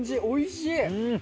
おいしい！